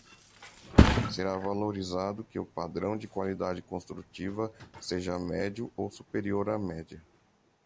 Será valorizado que o padrão de qualidade construtiva seja médio ou superior à média.